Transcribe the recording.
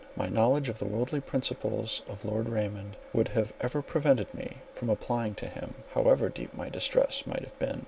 My knowledge of the worldly principles of Lord Raymond, would have ever prevented me from applying to him, however deep my distress might have been.